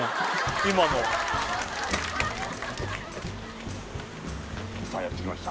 今のさあやってきました